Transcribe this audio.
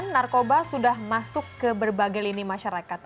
narkoba sudah masuk ke berbagai lini masyarakat